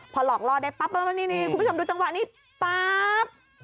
พอหลอกล่อได้ปั๊บแล้วนี่คุณผู้ชมดูจังหวะนี้ป๊าบ